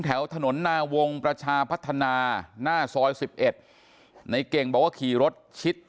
แถวถนนนาวงประชาพัฒนาหน้าซอย๑๑ในเก่งบอกว่าขี่รถชิด